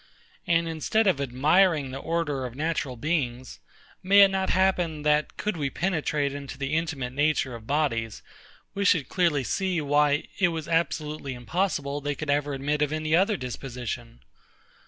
And instead of admiring the order of natural beings, may it not happen, that, could we penetrate into the intimate nature of bodies, we should clearly see why it was absolutely impossible they could ever admit of any other disposition?